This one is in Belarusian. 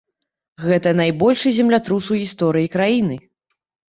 Гэта найбольшы землятрус у гісторыі краіны.